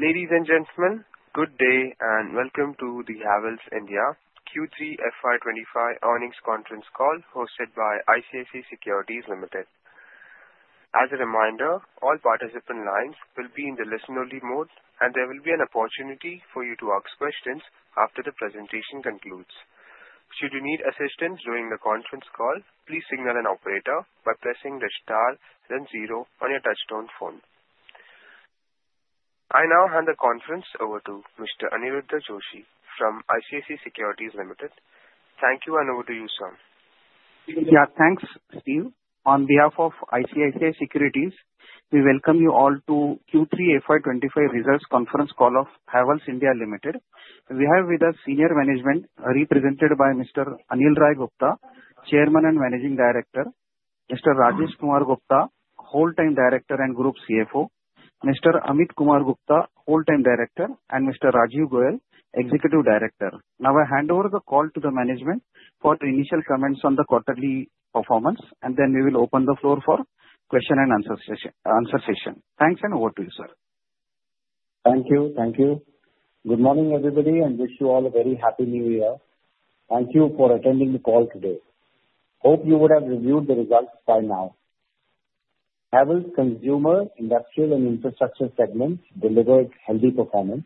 Ladies and gentlemen, good day and welcome to the Havells India Q3 FY 2025 earnings conference call hosted by ICICI Securities Limited. As a reminder, all participant lines will be in the listen-only mode, and there will be an opportunity for you to ask questions after the presentation concludes. Should you need assistance during the conference call, please signal an operator by pressing the star then zero on your touchtone phone. I now hand the conference over to Mr. Aniruddha Joshi from ICICI Securities Limited. Thank you, and over to you, Sir. Yeah, thanks, Steve. On behalf of ICICI Securities, we welcome you all to Q3 FY 2025 results conference call of Havells India Limited. We have with us senior management represented by Mr. Anil Rai Gupta, Chairman and Managing Director, Mr. Rajesh Kumar Gupta, Whole-Time Director and Group CFO, Mr. Ameet Kumar Gupta, Whole-Time Director, and Mr. Rajiv Goel, Executive Director. Now, I hand over the call to the management for initial comments on the quarterly performance, and then we will open the floor for question and answer session. Thanks, and over to you, sir. Thank you. Thank you. Good morning, everybody. I wish you all a very Happy New Year. Thank you for attending the call today. Hope you would have reviewed the results by now. Havells' consumer, industrial and infrastructure segments delivered healthy performance.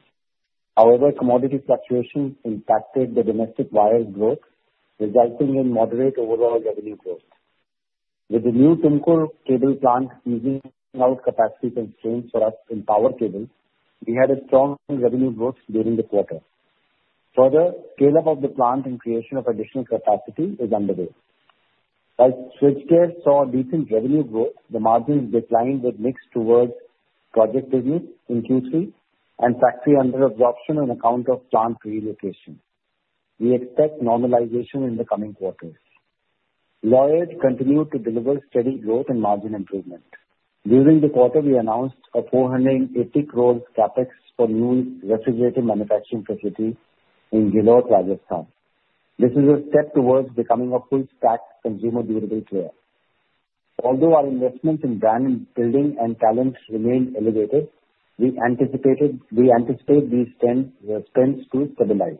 However, commodity fluctuations impacted the domestic wire growth, resulting in moderate overall revenue growth. With the new Tumkur cable plant easing out capacity constraints for us in power cables, we had a strong revenue growth during the quarter. Further, scale-up of the plant and creation of additional capacity is underway. While switchgear saw decent revenue growth, the margins declined with mix towards project business in Q3 and factory under-absorption on account of plant relocation. We expect normalization in the coming quarters. lighting continued to deliver steady growth and margin improvement. During the quarter, we announced a 480 crore CapEx for new refrigerator manufacturing facility in Ghiloth, Rajasthan. This is a step towards becoming a full-stack consumer durable player. Although our investments in brand building and talent remained elevated, we anticipate these spends to stabilize.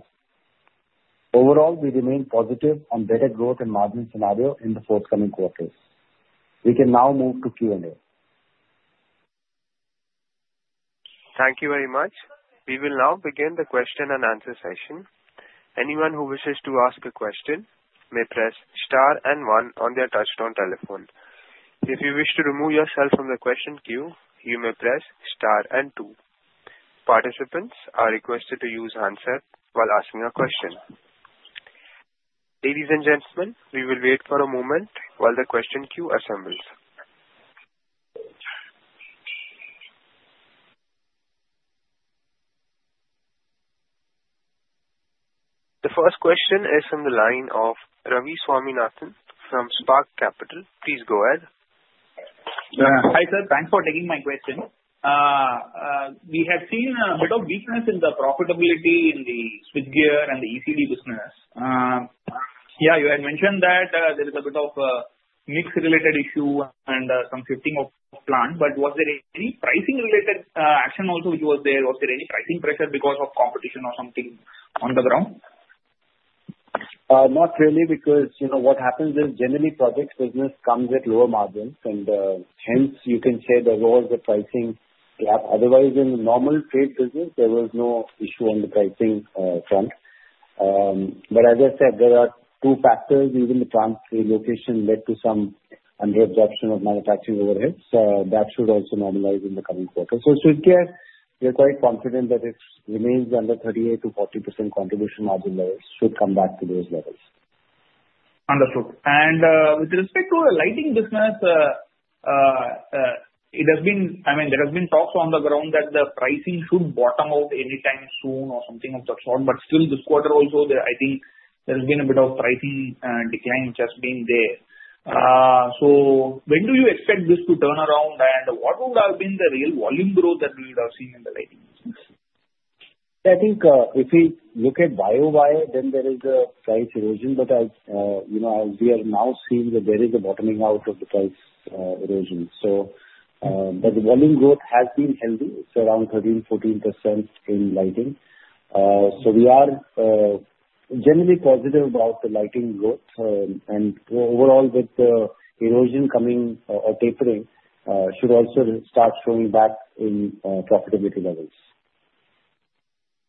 Overall, we remain positive on better growth and margin scenario in the forthcoming quarters. We can now move to Q&A. Thank you very much. We will now begin the question and answer session. Anyone who wishes to ask a question may press star and one on their touch-tone telephone. If you wish to remove yourself from the question queue, you may press star and two. Participants are requested to use handset while asking a question. Ladies and gentlemen, we will wait for a moment while the question queue assembles. The first question is from the line of Ravi Swaminathan from Spark Capital. Please go ahead. Hi, sir. Thanks for taking my question. We have seen a bit of weakness in the profitability in the switchgear and the ECD business. Yeah, you had mentioned that there is a bit of a mix-related issue and some shifting of plant, but was there any pricing-related action also which was there? Was there any pricing pressure because of competition or something on the ground? Not really, because what happens is generally project business comes at lower margins, and hence you can say there was a pricing gap. Otherwise, in normal trade business, there was no issue on the pricing front. But as I said, there are two factors. Even the plant relocation led to some under absorption of manufacturing overhead, so that should also normalize in the coming quarter. So switchgear, we're quite confident that it remains under 38%-40% contribution margin levels, should come back to those levels. Understood. And with respect to the lighting business, it has been, I mean, there have been talks on the ground that the pricing should bottom out anytime soon or something of that sort, but still this quarter also, I think there has been a bit of pricing decline just being there. So when do you expect this to turn around, and what would have been the real volume growth that we would have seen in the lighting business? I think if we look at YoY, then there is a price erosion, but as we are now seeing, there is a bottoming out of the price erosion. But the volume growth has been healthy. It's around 13%-14% in lighting. So we are generally positive about the lighting growth, and overall with the erosion coming or tapering, should also start showing back in profitability levels.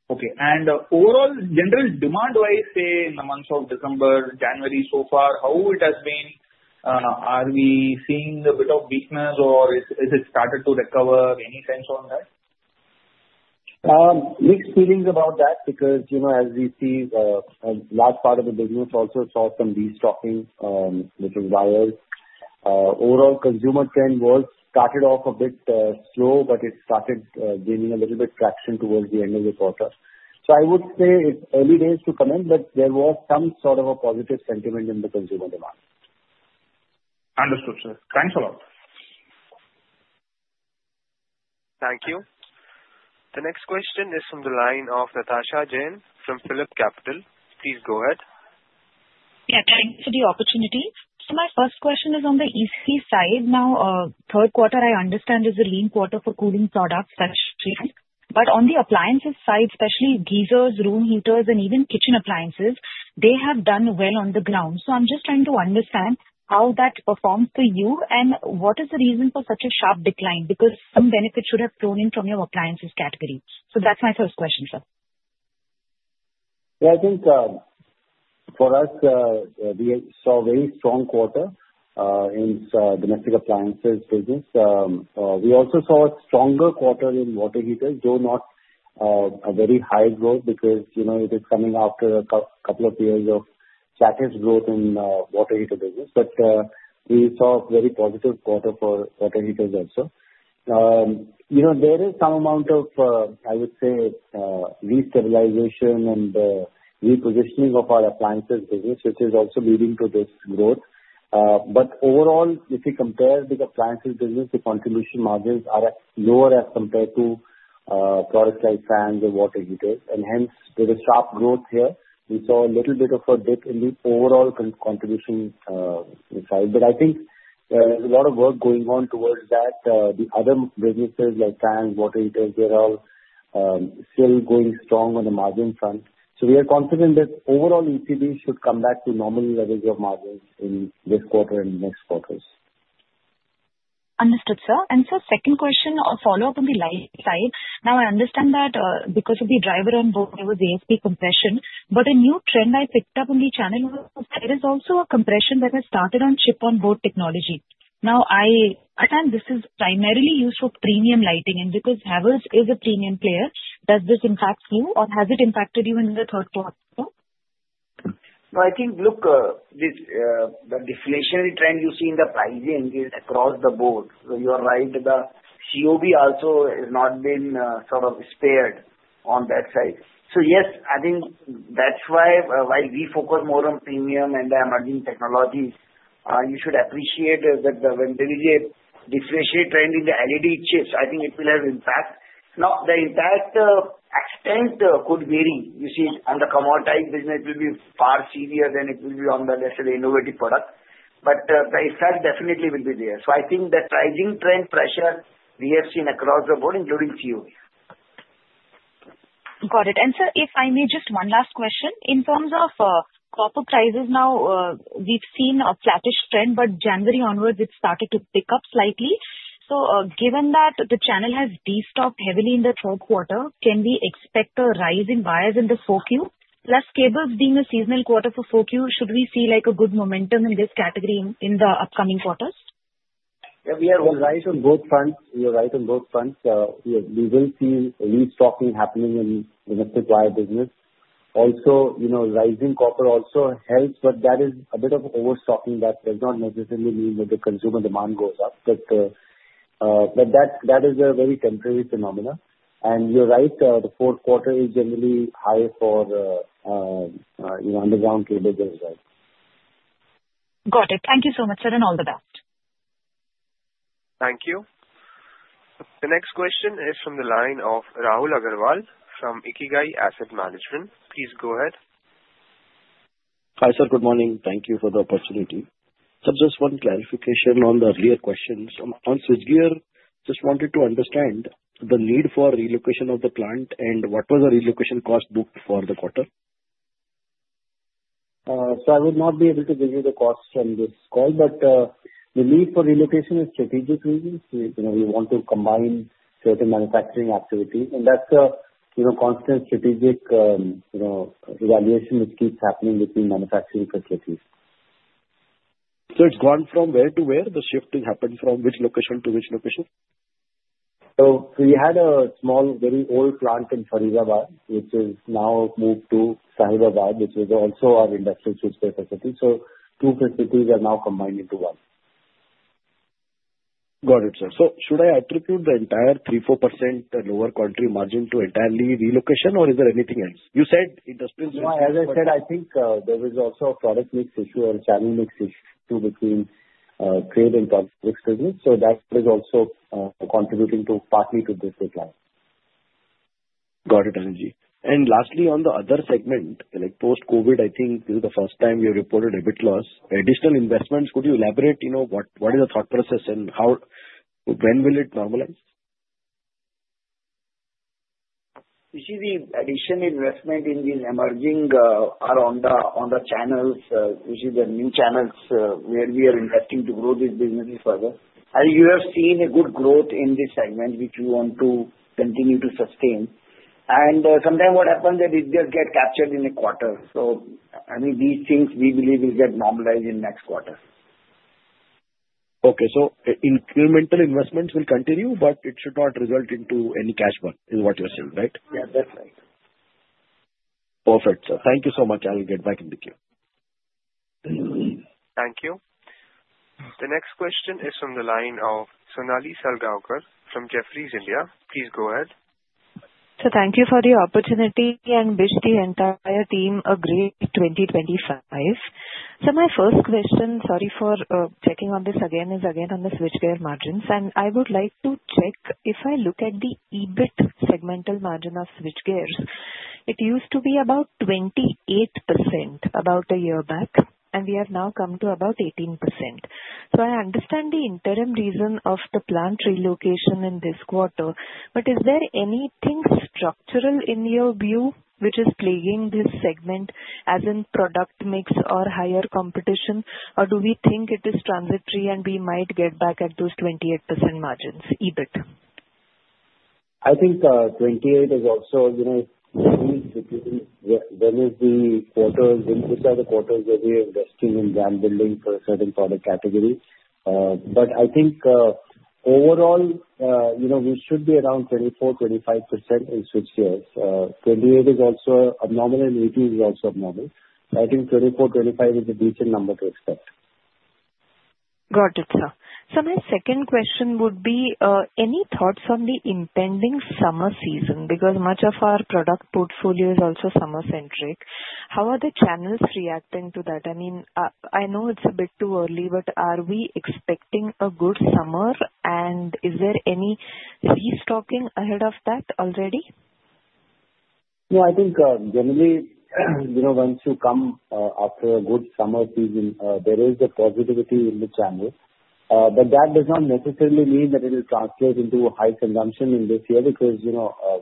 Okay. And overall, generally demand-wise, say in the months of December, January, so far, how it has been? Are we seeing a bit of weakness, or has it started to recover? Any sense on that? Mixed feelings about that, because as we see, a large part of the business also saw some restocking within wires. Overall, consumer trend was started off a bit slow, but it started gaining a little bit traction towards the end of the quarter, so I would say it's early days to comment, but there was some sort of a positive sentiment in the consumer demand. Understood, sir. Thanks a lot. Thank you. The next question is from the line of Natasha Jain from PhillipCapital. Please go ahead. Yeah, thanks for the opportunity. So my first question is on the AC side. Now, third quarter, I understand, is a lean quarter for cooling products such trend. But on the appliances side, especially geysers, room heaters, and even kitchen appliances, they have done well on the ground. So I'm just trying to understand how that performs for you and what is the reason for such a sharp decline, because some benefits should have flowed in from your appliances category. So that's my first question, sir. Yeah, I think for us, we saw a very strong quarter in domestic appliances business. We also saw a stronger quarter in water heaters, though not a very high growth, because it is coming after a couple of years of flattish growth in water heater business. But we saw a very positive quarter for water heaters also. There is some amount of, I would say, restabilization and repositioning of our appliances business, which is also leading to this growth. But overall, if you compare the appliances business, the contribution margins are lower as compared to products like fans or water heaters. And hence, with the sharp growth here, we saw a little bit of a dip in the overall contribution side. But I think there's a lot of work going on towards that. The other businesses like fans, water heaters, they're all still going strong on the margin front. We are confident that overall ECD should come back to normal levels of margins in this quarter and next quarters. Understood, sir. And sir, second question, a follow-up on the lighting side. Now, I understand that because of the driver on board, there was ASP compression, but a new trend I picked up on the channel was there is also a compression that has started on chip-on-board technology. Now, I find this is primarily used for premium lighting, and because Havells is a premium player, does this impact you, or has it impacted you in the third quarter? No, I think, look, the deflationary trend you see in the pricing is across the board. So you're right. The COB also has not been sort of spared on that side. So yes, I think that's why we focus more on premium and emerging technologies. You should appreciate that when there is a deflationary trend in the LED chips, I think it will have impact. Now, the impact extent could vary. You see, on the commoditized business, it will be far severe than it will be on the, let's say, innovative product. But the effect definitely will be there. So I think the pricing trend pressure we have seen across the board, including COB. Got it. And sir, if I may, just one last question. In terms of copper prices, now we've seen a flattish trend, but January onwards, it started to pick up slightly. So given that the channel has destocked heavily in the third quarter, can we expect a rise in wires in the 4Q? Plus, cables being a seasonal quarter for 4Q, should we see a good momentum in this category in the upcoming quarters? Yeah, we are all right on both fronts. We are right on both fronts. We will see restocking happening in the domestic wire business. Also, rising copper also helps, but that is a bit of overstocking. That does not necessarily mean that the consumer demand goes up. But that is a very temporary phenomenon. And you're right, the fourth quarter is generally high for underground cables as well. Got it. Thank you so much, sir, and all the best. Thank you. The next question is from the line of Rahul Agarwal from Ikigai Asset Management. Please go ahead. Hi, sir. Good morning. Thank you for the opportunity. Sir, just one clarification on the earlier questions. On switchgear, just wanted to understand the need for relocation of the plant and what was the relocation cost booked for the quarter? So I will not be able to give you the cost from this call, but the need for relocation is for strategic reasons. We want to combine certain manufacturing activities, and that's a constant strategic evaluation which keeps happening between manufacturing facilities. So it's gone from where to where? The shifting happened from which location to which location? So we had a small, very old plant in Faridabad, which has now moved to Sahibabad, which is also our industrial switchgear facility. So two facilities are now combined into one. Got it, sir. So should I attribute the entire 3%-4% lower quarterly margin to the entire relocation, or is there anything else? You said industrial facility. As I said, I think there is also a product mix issue or channel mix issue between trade and products business. So that is also contributing partly to this decline. Got it, Anil G. And lastly, on the other segment, like post-COVID, I think this is the first time you reported EBIT loss. Additional investments, could you elaborate? What is the thought process, and when will it normalize? You see, the additional investment in these emerging or on the channels, which is the new channels where we are investing to grow these businesses further, you have seen a good growth in this segment, which we want to continue to sustain. And sometimes what happens is they just get captured in a quarter. So I mean, these things we believe will get normalized in next quarter. Okay. So incremental investments will continue, but it should not result into any cash burn is what you're saying, right? Yeah, that's right. Perfect, sir. Thank you so much. I will get back in the queue. Thank you. The next question is from the line of Sonali Salgaonkar from Jefferies India. Please go ahead. Sir, thank you for the opportunity, and wish the entire team a great 2025. Sir, my first question, sorry for checking on this again, is again on the switchgear margins, and I would like to check if I look at the EBIT segmental margin of switchgear. It used to be about 28% about a year back, and we have now come to about 18%. So I understand the interim reason of the plant relocation in this quarter, but is there anything structural in your view which is plaguing this segment, as in product mix or higher competition, or do we think it is transitory and we might get back at those 28% margins EBIT? I think 28% is also when is the quarter? Which are the quarters where we are investing in brand building for a certain product category? But I think overall, we should be around 24%-25% in switchgear. 28% is also abnormal, and 18% is also abnormal. I think 24%-25% is a decent number to expect. Got it, sir. Sir, my second question would be, any thoughts on the impending summer season? Because much of our product portfolio is also summer-centric. How are the channels reacting to that? I mean, I know it's a bit too early, but are we expecting a good summer, and is there any restocking ahead of that already? No, I think generally, once you come after a good summer season, there is a positivity in the channel. But that does not necessarily mean that it will translate into high consumption in this year, because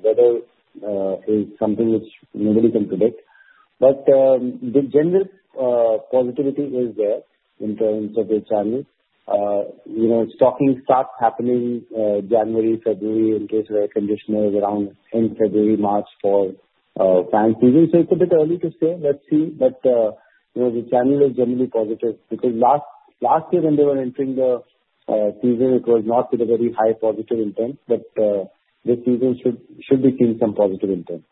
weather is something which nobody can predict. But the general positivity is there in terms of the channel. Stocking starts happening January-February, in case of air conditioners around end February-March for fan season. So it's a bit early to say. Let's see. But the channel is generally positive, because last year when they were entering the season, it was not with a very high positive intent, but this season should be seeing some positive intent.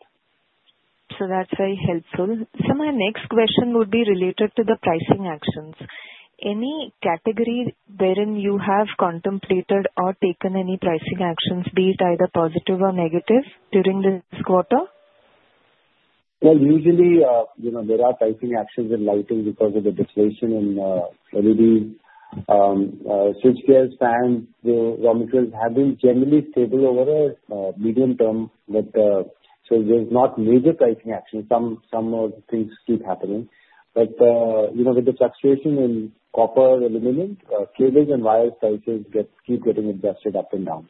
So that's very helpful. Sir, my next question would be related to the pricing actions. Any category wherein you have contemplated or taken any pricing actions, be it either positive or negative, during this quarter? Usually there are pricing actions in lighting because of the deflation in LED. switchgears, fans, raw materials have been generally stable over a medium term, but so there's not major pricing actions. Some of the things keep happening. But with the fluctuation in copper and aluminum, cables and wires prices keep getting adjusted up and down.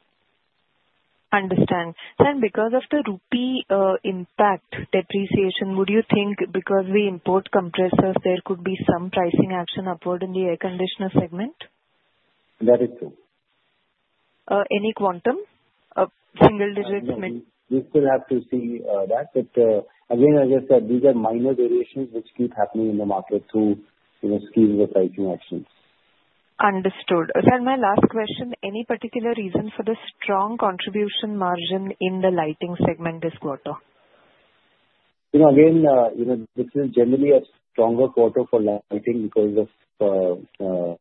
Understand. Sir, and because of the rupee impact depreciation, would you think because we import compressors, there could be some pricing action upward in the air conditioner segment? That is true. Any quantum? Single digits? We still have to see that. But again, as I said, these are minor variations which keep happening in the market through schemes or pricing actions. Understood. Sir, my last question, any particular reason for the strong contribution margin in the lighting segment this quarter? Again, this is generally a stronger quarter for lighting because of the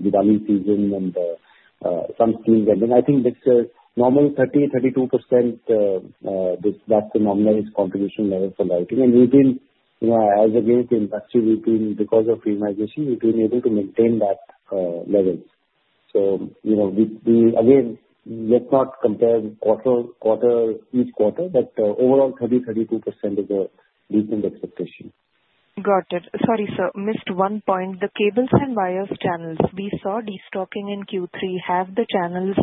Diwali season and some schemes ending. I think this is normal 30%-32%. That's the normalized contribution level for lighting. And we've been, as again the industry, we've been, because of premiumization, we've been able to maintain that level. So again, let's not compare quarter-each-quarter, but overall 30%-32% is a decent expectation. Got it. Sorry, sir, missed one point. The cables and wires channels, we saw destocking in Q3. Have the channels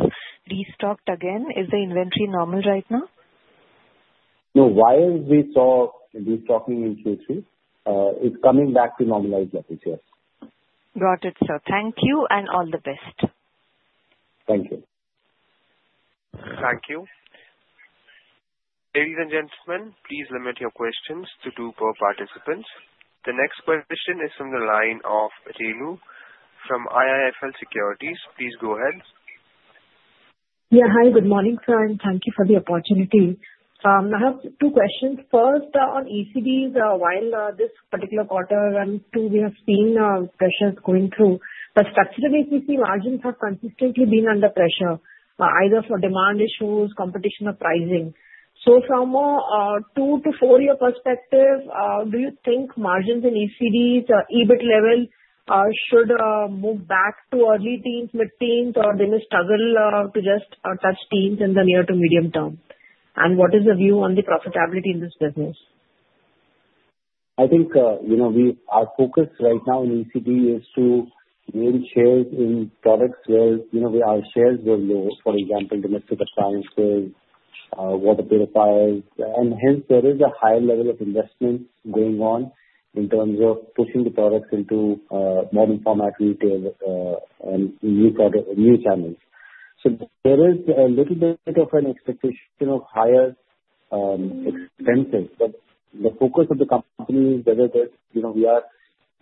destocked again? Is the inventory normal right now? No, wires we saw destocking in Q3. It's coming back to normalize levels here. Got it, sir. Thank you and all the best. Thank you. Thank you. Ladies and gentlemen, please limit your questions to two per participants. The next question is from the line of Renu. From IIFL Securities, please go ahead. Yeah, hi, good morning, sir, and thank you for the opportunity. I have two questions. First, on ECDs, while this particular quarter and two we have seen pressures going through, but structural ECD margins have consistently been under pressure, either for demand issues, competition, or pricing, so from a two-year to four-year perspective, do you think margins in ECDs, EBIT level, should move back to early teens, mid-teens, or they may struggle to just touch teens in the near to medium term, and what is the view on the profitability in this business? I think our focus right now in ECD is to gain shares in products where our shares were low, for example, domestic appliances, water purifiers, and hence, there is a higher level of investment going on in terms of pushing the products into modern format retail and new channels, so there is a little bit of an expectation of higher expenses, but the focus of the company, whether we are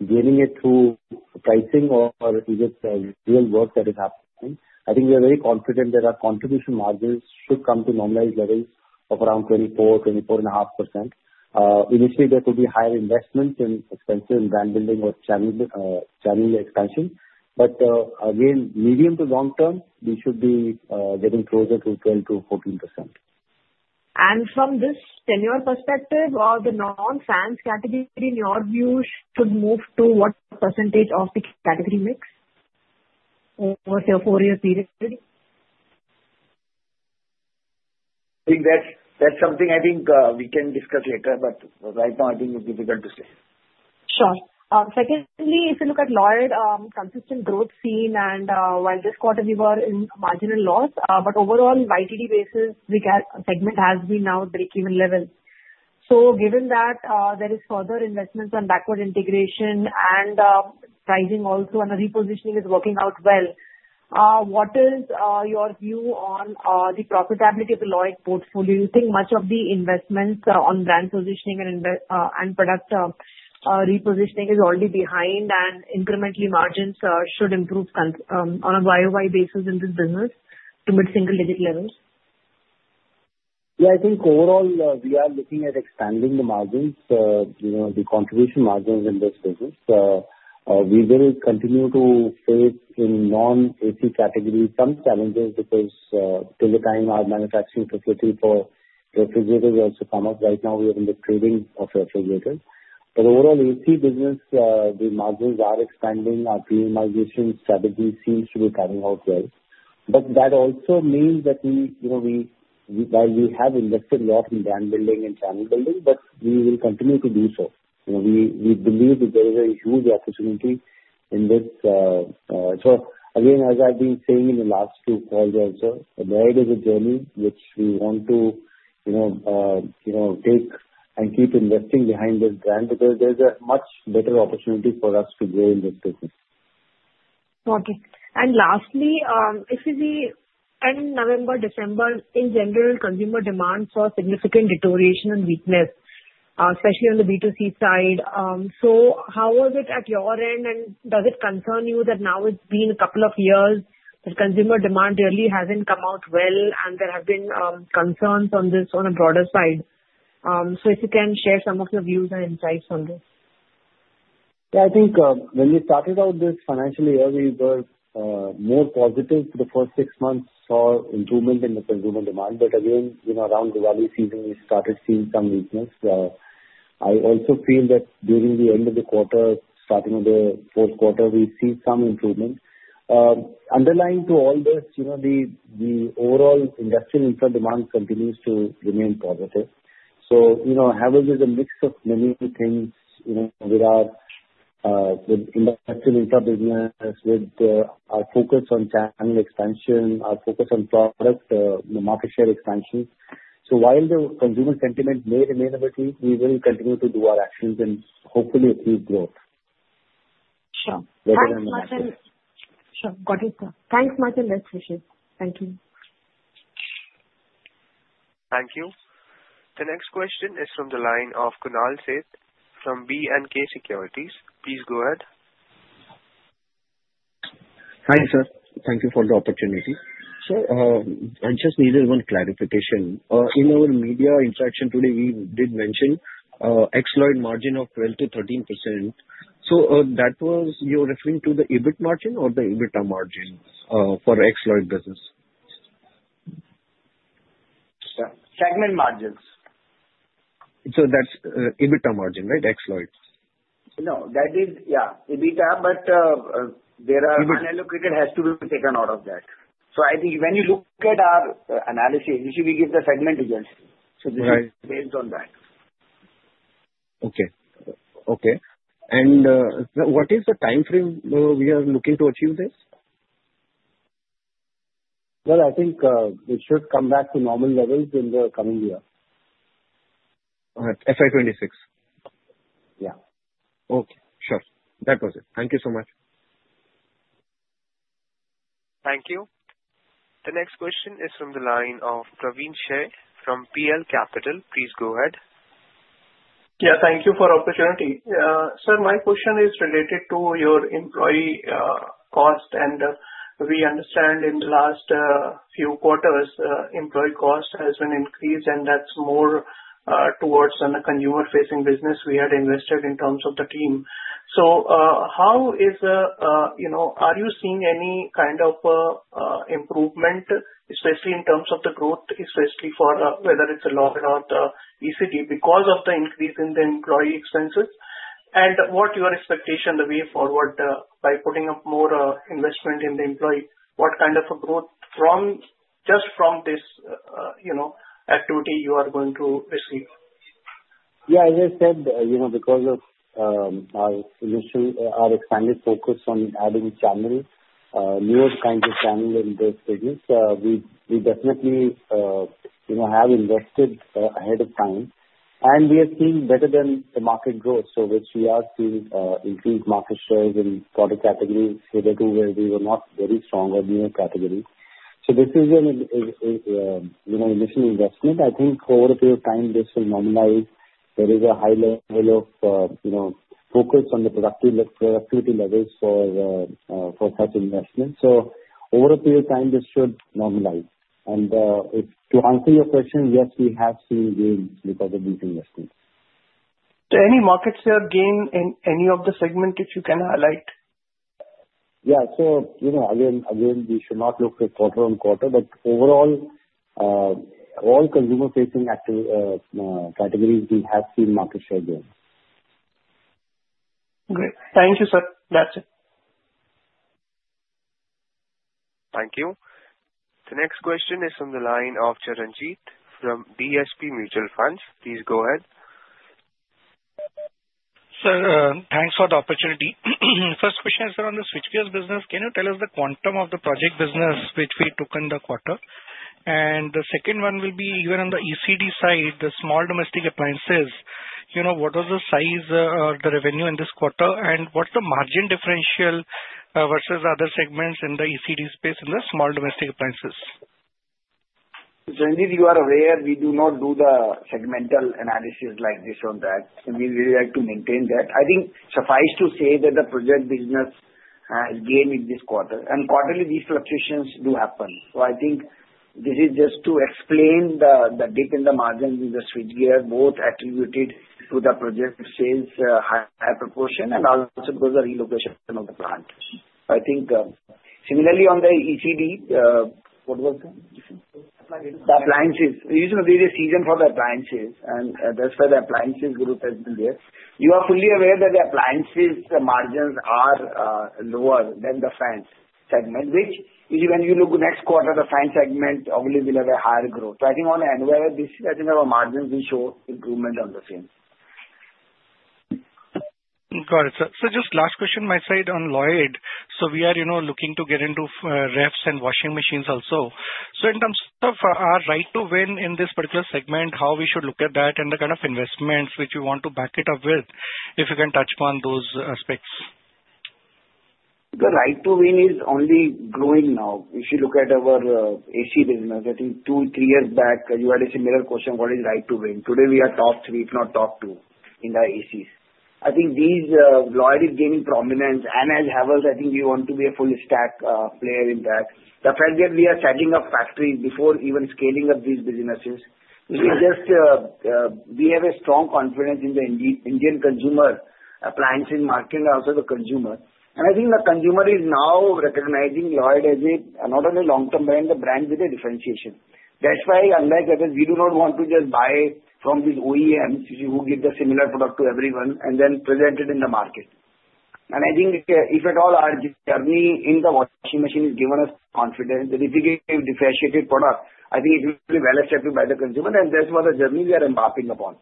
gaining it through pricing or is it real work that is happening. I think we are very confident that our contribution margins should come to normalized levels of around 24%-24.5%. Initially, there could be higher investment in expenses in brand building or channel expansion, but again, medium to long term, we should be getting closer to 12%-14%. From this, from your perspective, the non-fans category, in your view, should move to what percentage of the category mix over a four-year period? I think that's something I think we can discuss later, but right now, I think it's difficult to say. Sure. Secondly, if you look at Lloyd, consistent growth seen, and while this quarter we were in marginal loss, but overall, YTD basis, the segment has been now break-even level. So given that there is further investments on backward integration and pricing also and the repositioning is working out well, what is your view on the profitability of the Lloyd portfolio? Do you think much of the investments on brand positioning and product repositioning is already behind, and incrementally margins should improve on a YoY basis in this business to mid-single digit levels? Yeah, I think overall we are looking at expanding the margins, the contribution margins in this business. We will continue to face in non-AC category some challenges because till the time our manufacturing facility for refrigerators has come up, right now we are in the trading of refrigerators. But overall AC business, the margins are expanding. Our premiumization strategy seems to be coming out well. But that also means that while we have invested a lot in brand building and channel building, we will continue to do so. We believe that there is a huge opportunity in this. Again, as I've been saying in the last two calls also, Lloyd is a journey which we want to take and keep investing behind this brand because there's a much better opportunity for us to grow in this business. Okay. And lastly, if we see end November, December, in general, consumer demand saw significant deterioration and weakness, especially on the B2C side. So how was it at your end, and does it concern you that now it's been a couple of years that consumer demand really hasn't come out well, and there have been concerns on this on a broader side? So if you can share some of your views and insights on this. Yeah, I think when we started out this financial year, we were more positive. The first six months saw improvement in the consumer demand, but again, around the Diwali season, we started seeing some weakness. I also feel that during the end of the quarter, starting of the fourth quarter, we've seen some improvement. Underlying to all this, the overall industrial infra demand continues to remain positive, so having a mix of many things with our industrial infra business, with our focus on channel expansion, our focus on product market share expansion. So while the consumer sentiment may remain a bit weak, we will continue to do our actions and hopefully achieve growth. Sure. Thanks much. Sure. Got it. Thanks much and best wishes. Thank you. Thank you. The next question is from the line of Kunal Sheth from B&K Securities. Please go ahead. Hi, sir. Thank you for the opportunity. Sir, I just needed one clarification. In our media interaction today, we did mention ex-Lloyd margin of 12%-13%. So that was you're referring to the EBIT margin or the EBITDA margin for ex-Lloyd business? Yeah. Segment margins. So that's EBITDA margin, right? ex-Lloyd? No, that is, yeah, EBITDA, but the unallocated has to be taken out of that. So I think when you look at our analysis, we give the segment results. So this is based on that. Okay. And what is the time frame we are looking to achieve this? I think it should come back to normal levels in the coming year. FY 2026? Yeah. Okay. Sure. That was it. Thank you so much. Thank you. The next question is from the line of Praveen Sahay from PL Capital. Please go ahead. Yeah, thank you for the opportunity. Sir, my question is related to your employee cost, and we understand in the last few quarters, employee cost has been increased, and that's more towards on the consumer-facing business we had invested in terms of the team. So how are you seeing any kind of improvement, especially in terms of the growth, especially for whether it's a Lloyd or the ECD, because of the increase in the employee expenses? And what's your expectation the way forward by putting up more investment in the employee? What kind of a growth just from this activity you are going to receive? Yeah, as I said, because of our expanded focus on adding channel, newer kinds of channel in this business, we definitely have invested ahead of time. And we have seen better than the market growth, so which we are seeing increased market shares in product categories here too where we were not very strong on newer categories. So this is an initial investment. I think over a period of time, this will normalize. There is a high level of focus on the productivity levels for such investments. So over a period of time, this should normalize. And to answer your question, yes, we have seen gains because of these investments. So any market share gain in any of the segment if you can highlight? Yeah, so again, we should not look for quarter-on-quarter, but overall, all consumer-facing categories, we have seen market share gain. Great. Thank you, sir. That's it. Thank you. The next question is from the line of Charanjit from DSP Mutual Fund. Please go ahead. Sir, thanks for the opportunity. First question is around the switchgear business. Can you tell us the quantum of the project business which we took in the quarter? And the second one will be even on the ECD side, the small domestic appliances, what was the size or the revenue in this quarter, and what's the margin differential versus other segments in the ECD space in the small domestic appliances? Charanjit, you are aware, we do not do the segmental analysis like this or that. We really like to maintain that. I think suffice to say that the project business has gained this quarter. Quarterly, these fluctuations do happen. So I think this is just to explain the dip in the margin in the switchgear, both attributed to the project sales higher proportion and also because of the relocation of the plant. I think similarly on the ECD, what was the appliances? There is a season for the appliances, and that's why the appliances group has been there. You are fully aware that the appliances margins are lower than the fans segment, which is when you look next quarter, the fans segment probably will have a higher growth. So I think on annual basis, I think our margins will show improvement on the same. Got it. Sir, just last question my side on Lloyd. So we are looking to get into refs and washing machines also. So in terms of our right to win in this particular segment, how we should look at that and the kind of investments which we want to back it up with, if you can touch upon those aspects? The right to win is only growing now. If you look at our AC business, I think two years, three years back, you had a similar question, what is right to win? Today, we are top three, if not top two in the ACs. I think Lloyd is gaining prominence, and as ever, I think we want to be a full-stack player in that. The fact that we are setting up factories before even scaling up these businesses, we have a strong confidence in the Indian consumer appliances market and also the consumer. And I think the consumer is now recognizing Lloyd as a not only long-term brand, the brand with a differentiation. That's why, unlike others, we do not want to just buy from these OEMs who give the similar product to everyone and then present it in the market. And I think if at all our journey in the washing machine has given us confidence, the diffusion of differentiated product, I think it will be well accepted by the consumer, and that's what the journey we are embarking upon.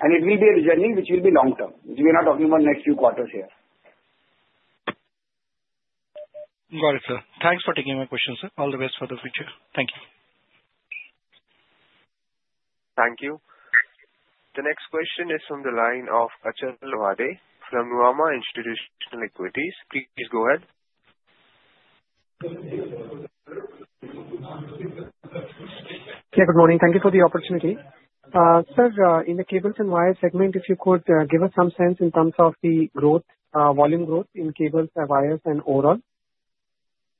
And it will be a journey which will be long-term. We are not talking about next few quarters here. Got it, sir. Thanks for taking my question, sir. All the best for the future. Thank you. Thank you. The next question is from the line of Achal Lohade from Nuvama Institutional Equities. Please go ahead. Yeah, good morning. Thank you for the opportunity. Sir, in the cables and wires segment, if you could give us some sense in terms of the volume growth in cables, wires, and overall?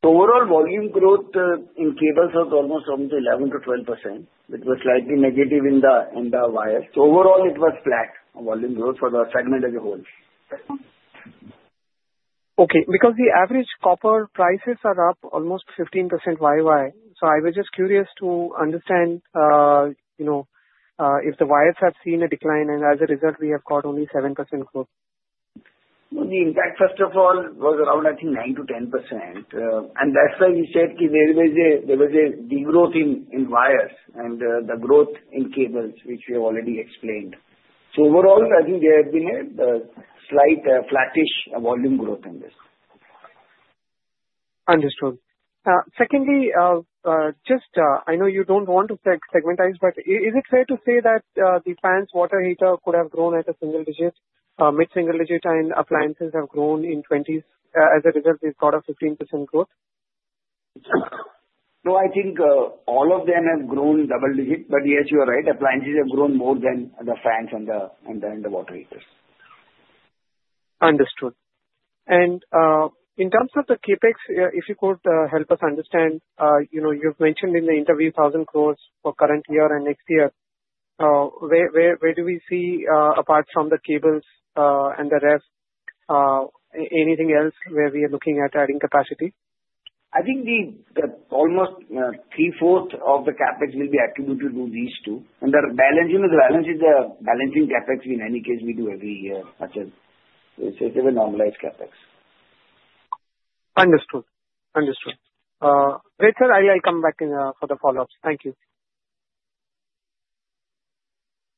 Overall volume growth in cables was almost around 11%-12%. It was slightly negative in the wires. So overall, it was flat volume growth for the segment as a whole. Okay. Because the average copper prices are up almost 15% YoY, so I was just curious to understand if the wires have seen a decline, and as a result, we have got only 7% growth. The impact, first of all, was around, I think, 9%-10%. That's why we said there was a degrowth in wires and the growth in cables, which we have already explained. Overall, I think there has been a slight flattish volume growth in this. Understood. Secondly, just, I know you don't want to segmentize, but is it fair to say that the fans, water heater could have grown at a single digit, mid-single digit, and appliances have grown in 20%? As a result, they've got a 15% growth? No, I think all of them have grown double-digit, but yes, you are right. Appliances have grown more than the fans and the water heaters. Understood. And in terms of the CapEx, if you could help us understand, you've mentioned in the interview 1,000 crore for current year and next year. Where do we see, apart from the cables and the refs, anything else where we are looking at adding capacity? I think almost 3/4 of the CapEx will be attributed to these two, and the balance is the balancing CapEx, in any case, we do every year, such as we say the normalized CapEx. Understood. Understood. Great, sir. I'll come back for the follow-ups. Thank you.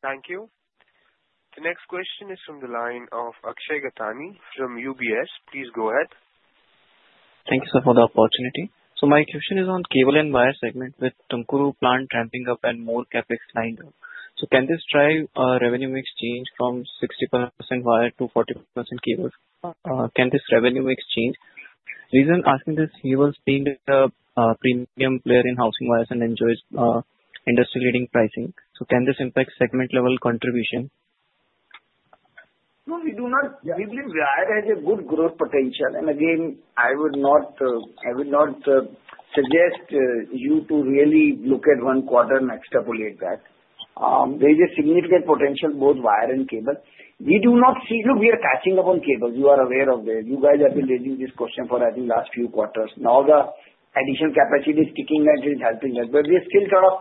Thank you. The next question is from the line of Akshay Gattani from UBS. Please go ahead. Thank you, sir, for the opportunity. So my question is on cable and wire segment with Tumkur plant ramping up and more CapEx lined up. So can this drive revenue mix change from 60% wire to 40% cable? Can this revenue mix change? The reason asking this, he was being a premium player in housing wires and enjoys industry-leading pricing. So can this impact segment-level contribution? No, we do not. We believe wire has a good growth potential. And again, I would not suggest you to really look at one quarter and extrapolate that. There is a significant potential, both wire and cable. We do not see. Look, we are catching up on cables. You are aware of this. You guys have been raising this question for, I think, the last few quarters. Now, the additional capacity is ticking and is helping us. But we are still sort of,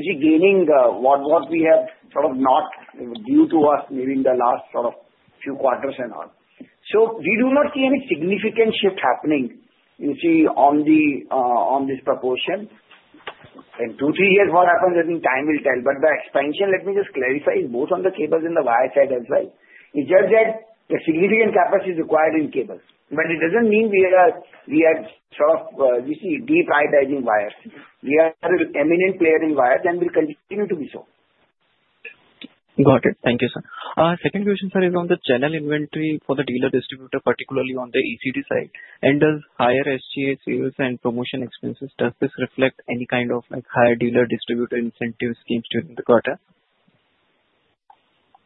you see, gaining what we have sort of not due to us maybe in the last sort of few quarters and all. So we do not see any significant shift happening, you see, on this proportion. In two years-three years, what happens, I think time will tell. But the expansion, let me just clarify, is both on the cables and the wire side as well. It's just that the significant CapEx is required in cables. But it doesn't mean we are sort of, you see, de-prioritizing wires. We are an eminent player in wires, and we'll continue to be so. Got it. Thank you, sir. Second question, sir, is on the channel inventory for the dealer distributor, particularly on the ECD side. And does higher SG&A sales and promotion expenses, does this reflect any kind of higher dealer distributor incentive schemes during the quarter?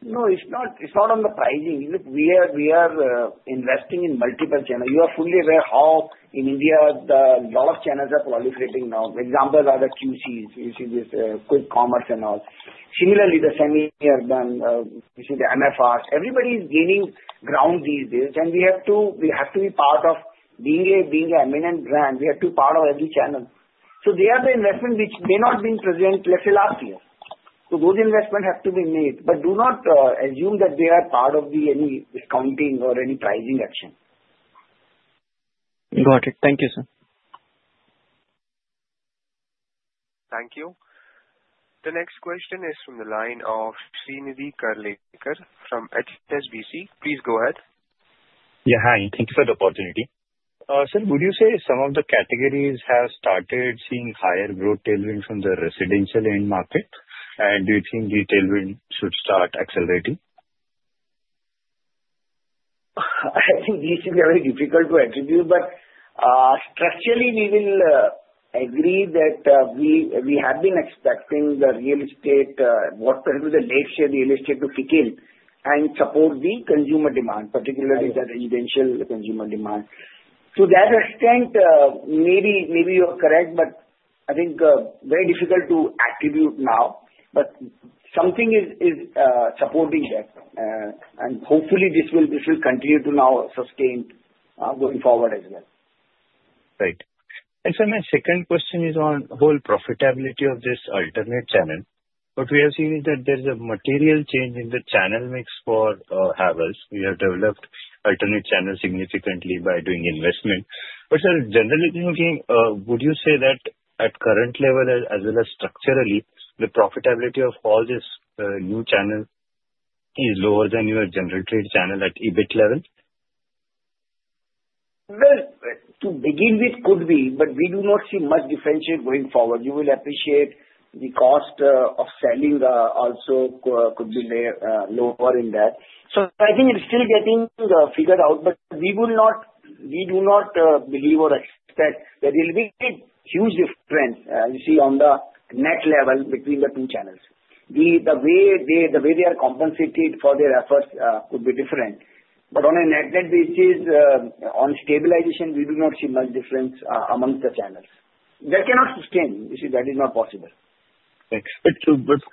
No, it's not on the pricing. We are investing in multiple channels. You are fully aware how in India, a lot of channels are proliferating now. Examples are the QCs, you see, with quick commerce and all. Similarly, the semi-urban, you see, the MFRs. Everybody is gaining ground these days. And we have to be part of being an eminent brand. We have to be part of every channel. So they are the investments which may not have been present, let's say, last year. So those investments have to be made. But do not assume that they are part of any discounting or any pricing action. Got it. Thank you, sir. Thank you. The next question is from the line of Shrinidhi Karlekar from HSBC. Please go ahead. Yeah, hi. Thank you for the opportunity. Sir, would you say some of the categories have started seeing higher growth tailwind from the residential end market? And do you think the tailwind should start accelerating? I think this should be very difficult to attribute, but structurally, we will agree that we have been expecting the real estate, whatever the next year real estate to kick in and support the consumer demand, particularly the residential consumer demand. To that extent, maybe you are correct, but I think very difficult to attribute now, but something is supporting that, and hopefully, this will continue to now sustain going forward as well. Right. Actually, my second question is on overall profitability of this alternate channel. What we have seen is that there is a material change in the channel mix for Havells. We have developed alternate channels significantly by doing investment. But sir, generally speaking, would you say that at current level, as well as structurally, the profitability of all this new channel is lower than your general trade channel at EBIT level? To begin with, could be, but we do not see much differentiation going forward. You will appreciate the cost of selling also could be lower in that. So I think it's still getting figured out, but we do not believe or expect that there will be huge difference, you see, on the net level between the two channels. The way they are compensated for their efforts could be different. But on a net basis, on stabilization, we do not see much difference among the channels. That cannot sustain. You see, that is not possible. Thanks. But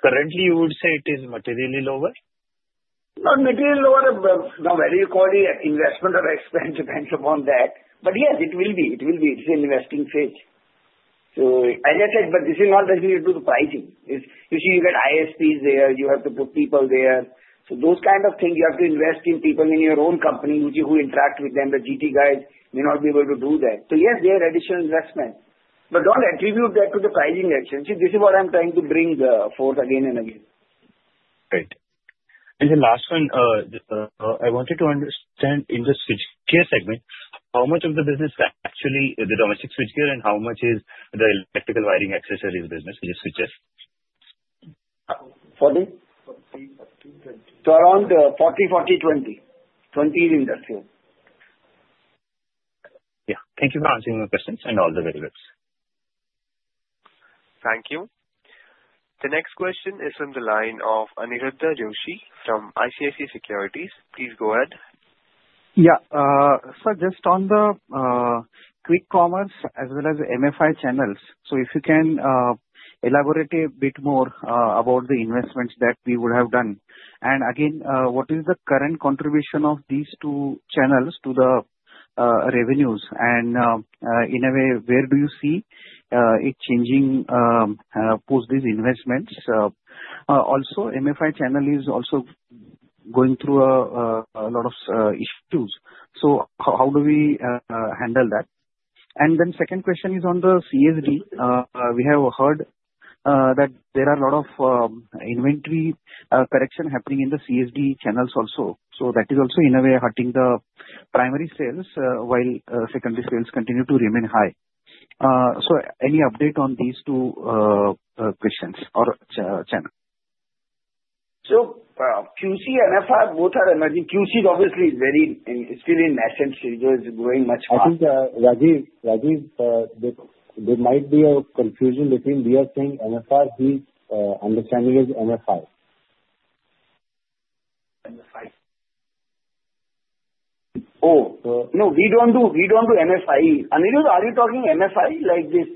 currently, you would say it is materially lower? Not materially lower. Now, whether you call it investment or expense depends upon that. But yes, it will be. It will be. It's an investing phase. So as I said, but this is not necessary to do the pricing. You see, you get ISDs there. You have to put people there. So those kind of things, you have to invest in people in your own company who interact with them. The GT guys may not be able to do that. So yes, they are additional investments. But don't attribute that to the pricing action. See, this is what I'm trying to bring forth again and again. Right. And the last one, I wanted to understand in the switchgear segment, how much of the business is actually the domestic switchgear and how much is the electrical wiring accessories business, which is switchgear? Around 40%,40%,20%. 20% is industrial. Yeah. Thank you for answering my questions and all the very good. Thank you. The next question is from the line of Aniruddha Joshi from ICICI Securities. Please go ahead. Yeah. Sir, just on the quick commerce as well as MFI channels. So if you can elaborate a bit more about the investments that we would have done. And again, what is the current contribution of these two channels to the revenues? And in a way, where do you see it changing post these investments? Also, MFI channel is also going through a lot of issues. So how do we handle that? And then second question is on the CSD. We have heard that there are a lot of inventory correction happening in the CSD channels also. So that is also in a way hurting the primary sales while secondary sales continue to remain high. So any update on these two questions or channel? So QC, MFR, both are emerging. QC is obviously still in essence. It's going much far. I think, Rajiv, there might be a confusion between we are saying MFR, he's understanding as MFI. Oh. No, we don't do MFI. Aniruddha, are you talking MFI like this?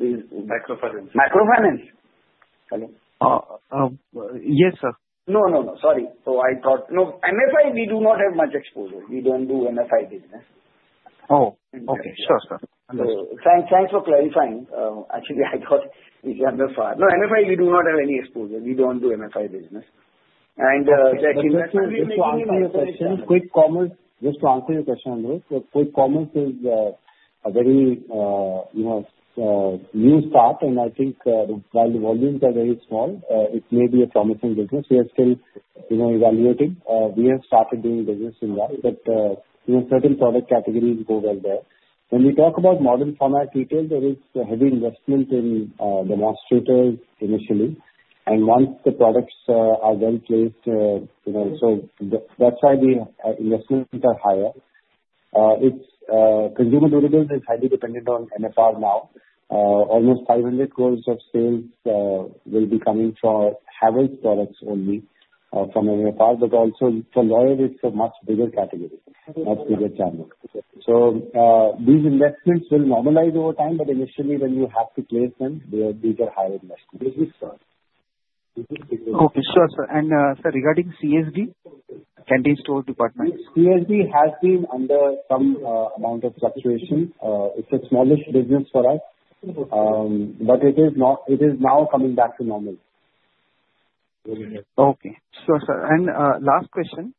Microfinance. Microfinance. Hello? Yes, sir. No, no, no. Sorry. So I thought no, MFI, we do not have much exposure. We don't do MFI business. Oh, okay. Sure, sir. Thanks for clarifying. Actually, I thought it's MFR. No, MFI, we do not have any exposure. We don't do MFI business. And that investment is small. Just to answer your question, Aniruddha, quick commerce is a very new start. And I think while the volumes are very small, it may be a promising business. We are still evaluating. We have started doing business in that. But certain product categories go well there. When we talk about modern format retail, there is heavy investment in demonstrators initially. And once the products are well placed, so that's why the investments are higher. Consumer durables is highly dependent on MFR now. Almost 500 crore of sales will be coming for Havells products only from MFR. But also for Lloyd, it's a much bigger category, much bigger channel. So these investments will normalize over time, but initially, when you have to place them, these are higher investments. Okay. Sure, sir. And sir, regarding CSD, Canteen Stores Department? CSD has been under some amount of fluctuation. It's a smallish business for us, but it is now coming back to normal. Okay. Sure, sir. And last question.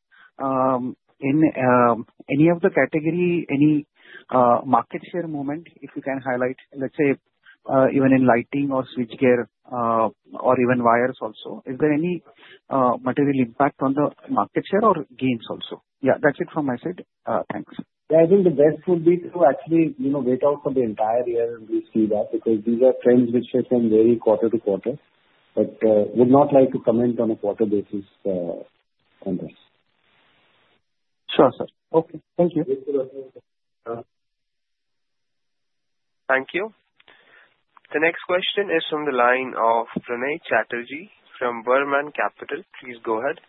In any of the category, any market share movement, if you can highlight. Let's say, even in lighting or switchgear or even wires also, is there any material impact on the market share or gains also? Yeah, that's it from my side. Thanks. Yeah, I think the best would be to actually wait out for the entire year and we'll see that because these are trends which are very quarter to quarter. But would not like to comment on a quarter basis on this. Sure, sir. Okay. Thank you. Thank you. The next question is from the line of Pranay Chatterjee from Burman Capital. Please go ahead.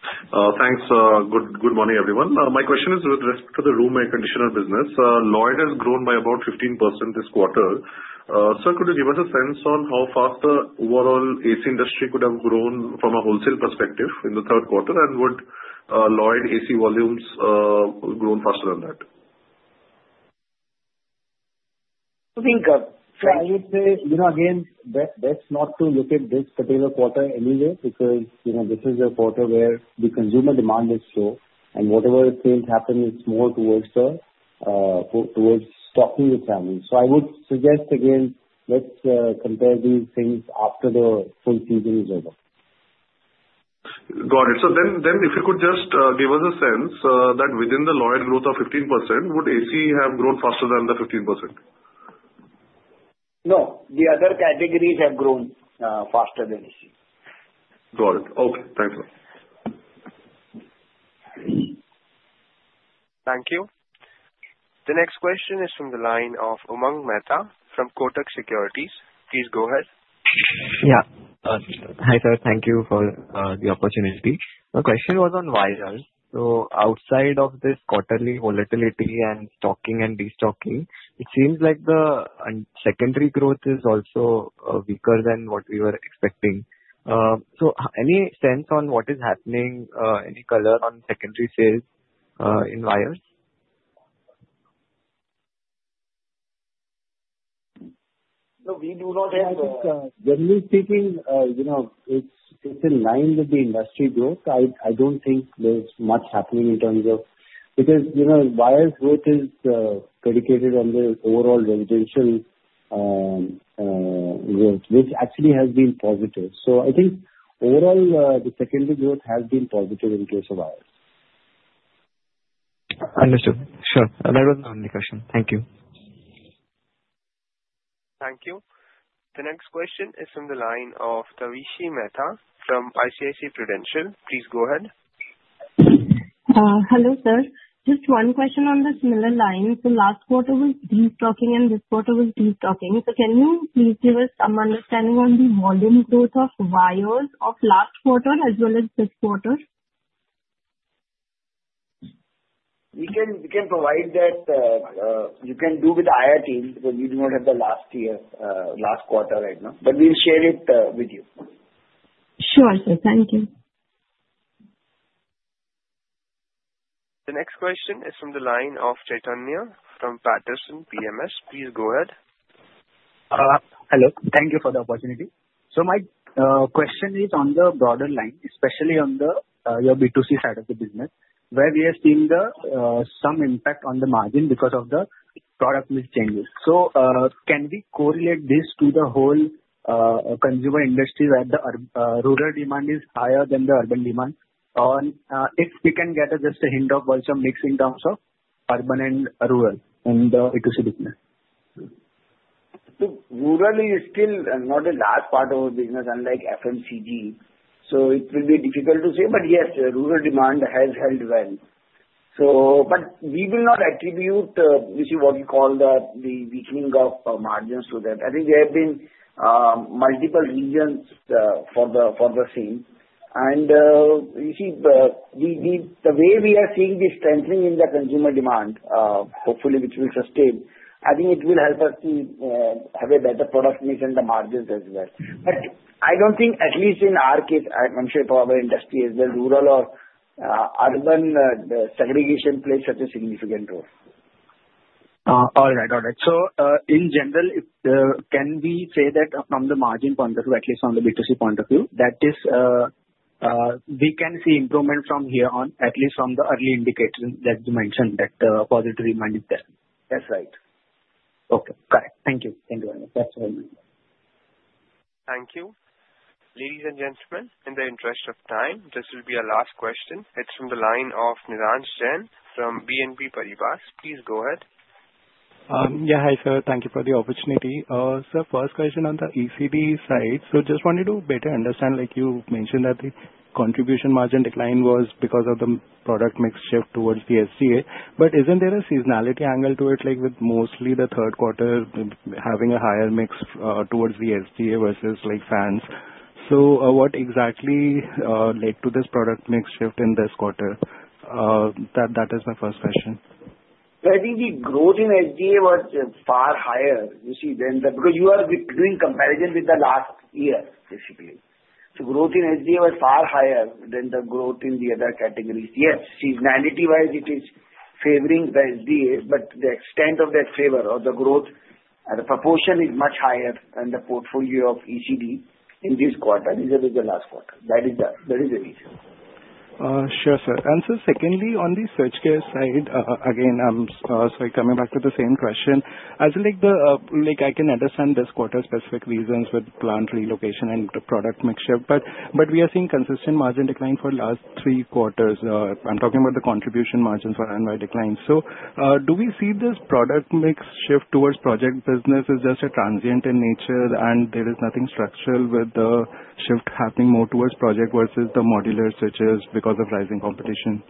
Thanks. Good morning, everyone. My question is with respect to the room air conditioner business. Lloyd has grown by about 15% this quarter. Sir, could you give us a sense on how fast the overall AC industry could have grown from a wholesale perspective in the third quarter, and would Lloyd AC volumes grown faster than that? I think I would say, again, best not to look at this particular quarter anyway because this is a quarter where the consumer demand is slow. And whatever trends happen, it's more towards stocking the channels. So I would suggest, again, let's compare these things after the full season is over. Got it. So then if you could just give us a sense that within the Lloyd growth of 15%, would AC have grown faster than the 15%? No. The other categories have grown faster than AC. Got it. Okay. Thank you. Thank you. The next question is from the line of Umang Mehta from Kotak Securities. Please go ahead. Yeah. Hi, sir. Thank you for the opportunity. My question was on wires. So outside of this quarterly volatility and stocking and destocking, it seems like the secondary growth is also weaker than what we were expecting. So any sense on what is happening, any color on secondary sales in wires? No, we do not have that. Generally speaking, it's in line with the industry growth. I don't think there's much happening in terms of because wires growth is predicated on the overall residential growth, which actually has been positive. So I think overall, the secondary growth has been positive in case of wires. Understood. Sure. That was my only question. Thank you. Thank you. The next question is from the line of Tavishi Mehta from ICICI Prudential. Please go ahead. Hello, sir. Just one question on the similar line. So last quarter was destocking and this quarter was destocking. So can you please give us some understanding on the volume growth of wires of last quarter as well as this quarter? We can provide that. You can do with IR team because we do not have the last quarter right now, but we'll share it with you. Sure, sir. Thank you. The next question is from the line of Chaitanya from Paterson PMS. Please go ahead. Hello. Thank you for the opportunity. So my question is on the broader line, especially on your B2C side of the business, where we have seen some impact on the margin because of the product mix changes. So can we correlate this to the whole consumer industry where the rural demand is higher than the urban demand? And if we can get just a hint of also mix in terms of urban and rural in the B2C business? So rural is still not the last part of our business, unlike FMCG. So it will be difficult to say. But yes, rural demand has held well. But we will not attribute, you see, what we call the weakening of margins to that. I think there have been multiple reasons for the same. And you see, the way we are seeing this strengthening in the consumer demand, hopefully, which will sustain, I think it will help us to have a better product mix and the margins as well. But I don't think, at least in our case, I'm sure for our industry as well, rural or urban segregation plays such a significant role. All right. All right. So in general, can we say that from the margin point of view, at least from the B2C point of view, that we can see improvement from here on, at least from the early indicators that you mentioned that positive demand is there? That's right. Okay. Got it. Thank you. Thank you very much. That's very good. Thank you. Ladies and gentlemen, in the interest of time, this will be our last question. It's from the line of Nirransh Jain from BNP Paribas. Please go ahead. Yeah. Hi, sir. Thank you for the opportunity. Sir, first question on the ECD side. So just wanted to better understand. You mentioned that the contribution margin decline was because of the product mix shift towards the SDA. But isn't there a seasonality angle to it, with mostly the third quarter having a higher mix towards the SDA versus like fans? So what exactly led to this product mix shift in this quarter? That is my first question. I think the growth in SDA was far higher, you see, than the because you are doing comparison with the last year, basically. So growth in SDA was far higher than the growth in the other categories. Yes, seasonality-wise, it is favoring the SDA, but the extent of that favor or the growth, the proportion is much higher than the portfolio of ECD in this quarter than it was the last quarter. That is the reason. Sure, sir. And sir, secondly, on the switchgear side, again, I'm sorry, coming back to the same question. I feel like I can understand this quarter-specific reasons with plant relocation and product mix shift. But we are seeing consistent margin decline for the last three quarters. I'm talking about the contribution margins for annual decline. So do we see this product mix shift towards project business as just a transient in nature, and there is nothing structural with the shift happening more towards project versus the modular switches because of rising competition?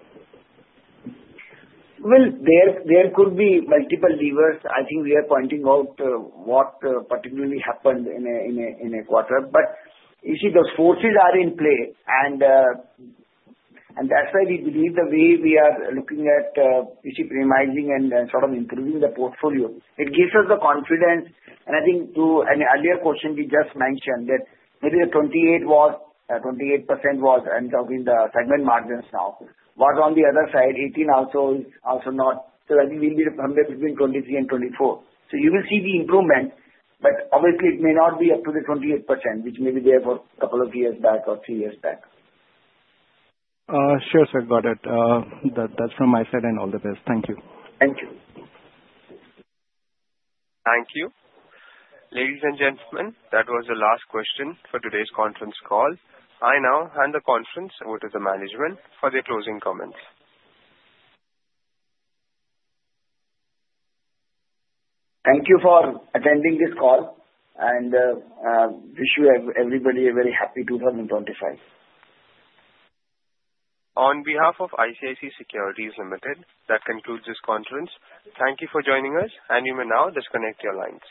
Well, there could be multiple levers. I think we are pointing out what particularly happened in a quarter. But you see, those forces are in play. And that's why we believe the way we are looking at premiumizing and sort of improving the portfolio, it gives us the confidence. And I think to an earlier question, you just mentioned that maybe the 28% was in the segment margins now. But on the other side, 18% also not. So I think we'll be somewhere between 23% and 24%. So you will see the improvement, but obviously, it may not be up to the 28%, which maybe they have a couple of years back or three years back. Sure, sir. Got it. That's from my side and all the best. Thank you. Thank you. Thank you. Ladies and gentlemen, that was the last question for today's conference call. I now hand the conference over to the management for their closing comments. Thank you for attending this call. I wish you and everybody a very happy 2025. On behalf of ICICI Securities Limited, that concludes this conference. Thank you for joining us, and you may now disconnect your lines.